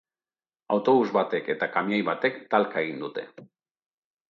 Autobus batek eta kamioi batek talka egin dute.